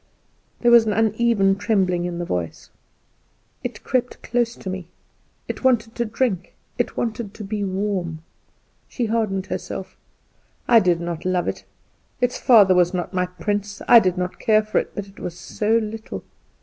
There was an uneven trembling in the voice. "It crept close to me; it wanted to drink, it wanted to be warm." She hardened herself "I did not love it; its father was not my prince; I did not care for it; but it was so little."